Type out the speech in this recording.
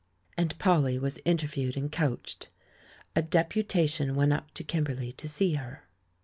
And Polly was interviewed and coached. A deputation went up to Kimberley to see her.